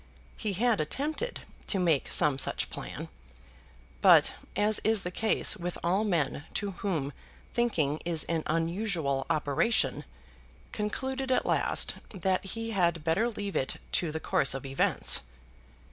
He had attempted to make some such plan; but, as is the case with all men to whom thinking is an unusual operation, concluded at last that he had better leave it to the course of events.